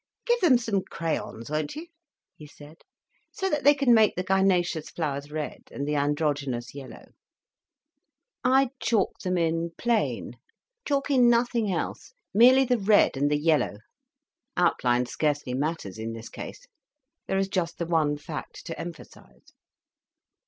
"Give them some crayons, won't you?" he said, "so that they can make the gynaecious flowers red, and the androgynous yellow. I'd chalk them in plain, chalk in nothing else, merely the red and the yellow. Outline scarcely matters in this case. There is just the one fact to emphasise."